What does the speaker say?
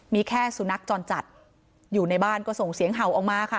มีแค่สุนัขจรจัดอยู่ในบ้านก็ส่งเสียงเห่าออกมาค่ะ